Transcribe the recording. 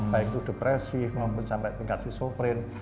baik itu depresi maupun sampai tingkat si sovereign